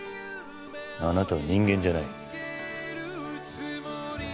あなたは人間じゃない。